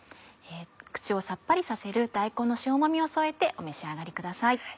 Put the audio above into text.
口をさっぱりさせる大根の塩もみを添えてお召し上がりください。